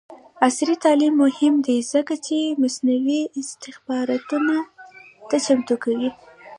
عصري تعلیم مهم دی ځکه چې مصنوعي استخباراتو ته چمتو کوي.